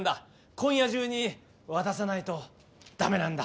今夜中に渡さないと駄目なんだ。